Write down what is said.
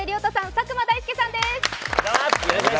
佐久間大介さんです。